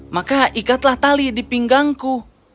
maka ikatlah tali di pinggangku